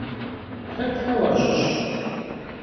Xetxe vuaşış?